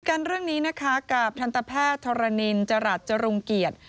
กันเรื่องนี้นะคะกับทันตแพทย์ธรณินจรัสจรุงเกียรติ